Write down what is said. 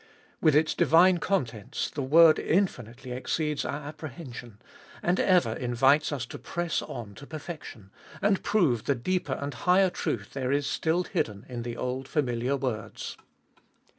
With its divine contents the word infinitely exceeds our apprehension, and ever invites us to press on to perfection, and prove the deeper and higher truth there is still hidden in the old familiar words.